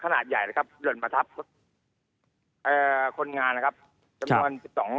ขนาดใหญ่นะครับหล่นมาทับเอ่อคนงานนะครับจำนวนสิบสอง